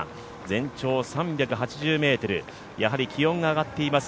全長３８０ｍ、気温が上がっています。